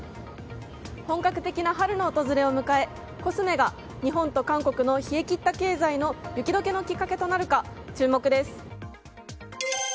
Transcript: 本格的な春の訪れを迎えコスメが日本と韓国の冷え切った経済の雪解けのきっかけとなるか注目です。